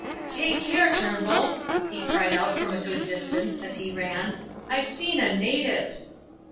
"Take care, Turnbull," he cried out from a good distance as he ran, "I've seen a native."